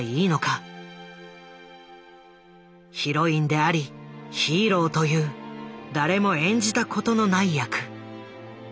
ヒロインでありヒーローという誰も演じたことのない役。